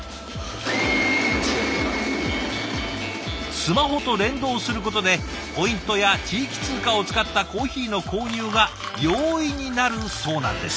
スマホと連動することでポイントや地域通貨を使ったコーヒーの購入が容易になるそうなんです。